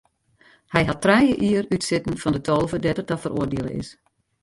Hy hat trije jier útsitten fan de tolve dêr't er ta feroardiele is.